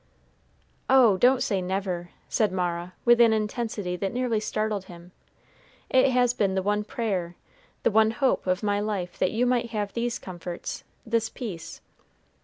"Oh, don't say never," said Mara, with an intensity that nearly startled him; "it has been the one prayer, the one hope, of my life, that you might have these comforts, this peace."